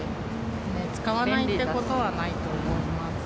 使わないということはないと思います。